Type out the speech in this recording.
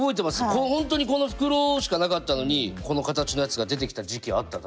本当にこの袋しかなかったのにこの形のやつが出てきた時期あった